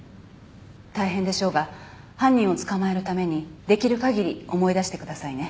大変でしょうが犯人を捕まえるために出来る限り思い出してくださいね。